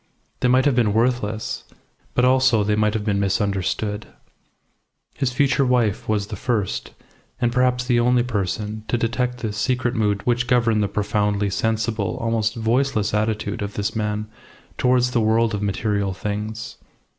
They might have been worthless, but also they might have been misunderstood. His future wife was the first, and perhaps the only person to detect this secret mood which governed the profoundly sensible, almost voiceless attitude of this man towards the world of material things.